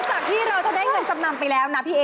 จากที่เราจะได้เงินจำนำไปแล้วนะพี่เอ